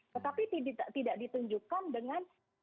tetapi tidak ditunjukkan dengan